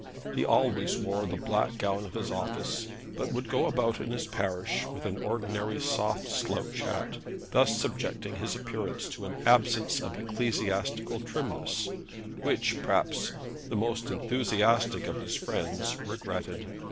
He always wore the black gown of his office, but would go about his parish with an ordinary soft slouch hat, thus subjecting his appearance to an absence of ecclesiastical trimness which, perhaps, the most enthusiastic of his friends regretted.